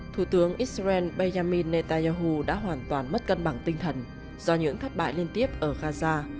thủ tướng israel benjamin netanyahu đã hoàn toàn mất cân bằng tinh thần do những thất bại liên tiếp ở gaza